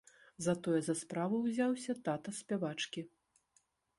Затое за справу ўзяўся тата спявачкі.